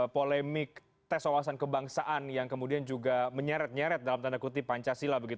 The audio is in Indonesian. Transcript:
polemik tes wawasan kebangsaan yang kemudian juga menyeret nyeret dalam tanda kutip pancasila